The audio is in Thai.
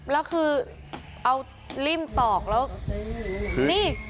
แล้วคือเอาริ่มตอกแล้วนี่